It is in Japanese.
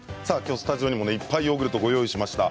スタジオにもいっぱいヨーグルトご用意しました。